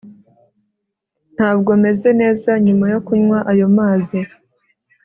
Ntabwo meze neza nyuma yo kunywa ayo mazi